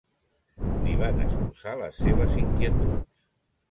Li van esposar les seves inquietuds.